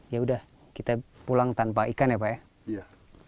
ya udah kita pulang tanpa ikan ya pak ya